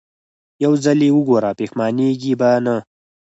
يو ځل يې وګوره پښېمانېږې به نه.